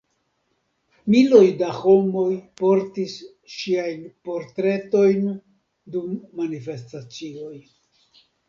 Miloj da homoj portis ŝiajn portretojn dum manifestacioj.